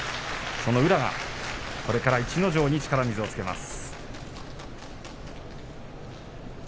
宇良はこれから逸ノ城に力水をつけます。